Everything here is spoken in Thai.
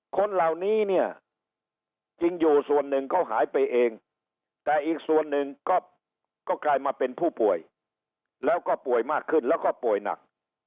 คนเหล่านี้เนี่ยจริงอยู่ส่วนหนึ่งเขาหายไปเองแต่อีกส่วนหนึ่งก็กลายมาเป็นผู้ป่วยแล้วก็ป่วยมากขึ้นแล้วก็ป่วยหนัก